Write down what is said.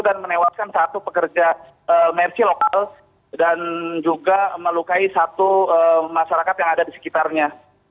dan menewaskan satu pekerja mercy lokal dan juga melukai satu masyarakat yang ada di sekitarnya